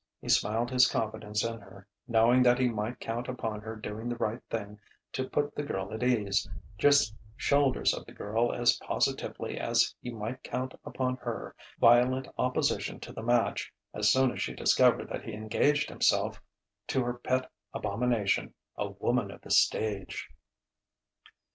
He smiled his confidence in her, knowing that he might count upon her doing the right thing to put the girl at ease just shoulders of the girl as positively as he might count upon her violent opposition to the match as soon as she discovered that he had engaged himself to her pet abomination, a woman of the stage.